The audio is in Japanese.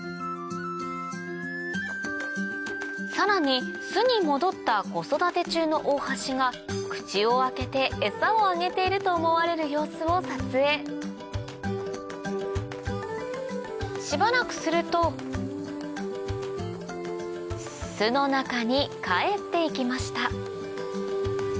さらに巣に戻った子育て中のオオハシが口を開けてエサをあげていると思われる様子を撮影しばらくすると巣の中に帰っていきました